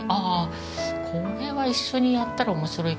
これは一緒にやったら面白いかなって。